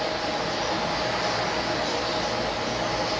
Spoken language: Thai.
ต้องเติมเนี่ย